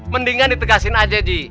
mendingan ditegaskan aja ji